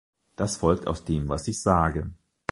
Das folgt aus dem, was ich sage.